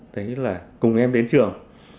đấy là cùng em đến trường